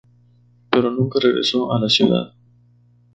Pero nunca regresó a la ciudad.